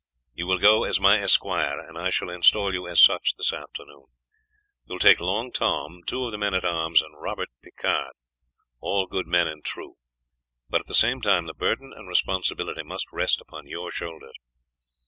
You will go as my esquire, and I shall install you as such this afternoon. You will take Long Tom, two of the men at arms, and Robert Picard, all good men and true; but at the same time the burden and responsibility must rest upon your shoulders.